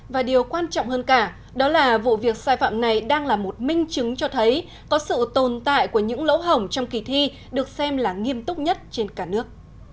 và điều quan trọng hơn cả đó là vụ việc sai phạm này đang là một minh chứng cho thấy có sự tồn tại của những lỗ hồng trong kỳ thi được xem là nghiêm túc nhất trên cả nước